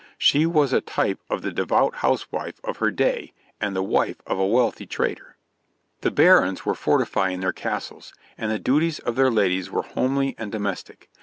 She was a type of the devout housewife of her day, and the wife of a wealthy trader. The barons were fortifying their castles, and the duties of their ladies were homely and domestic.